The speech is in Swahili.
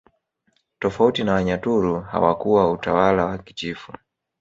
Tofauti na Wanyaturu hawakuwa utawala wa kichifu